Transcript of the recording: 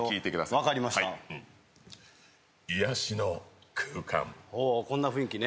分かりました癒しの空間ほうこんな雰囲気ね